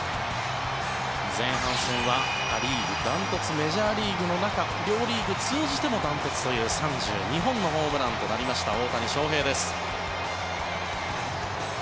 前半戦はア・リーグ断トツメジャーリーグの中両リーグ通じても断トツという３２号のホームランとなりました大谷翔平です。